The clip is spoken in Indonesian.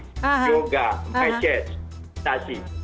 yoga massage tasi